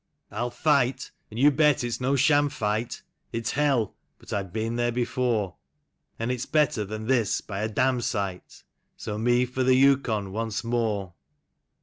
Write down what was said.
I'll fight— and you bet it's no sham fight; It's hell!— but I've been there before; And it's better than this by a damsite — So me for the Yukon once more.